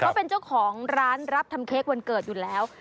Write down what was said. เขาเป็นเจ้าของร้านรับทำเค้กวันเกิดอยู่แล้ว